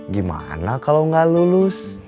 gimana kalau gak lulus